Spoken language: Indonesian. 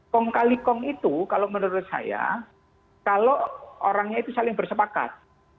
kong kali kong itu kalau menurut saya kalau orangnya itu saling bersepakat